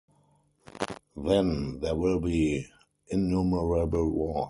Then, there will be innumerable wars.